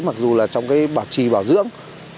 mặc dù là trong cái bảo trì bảo dưỡng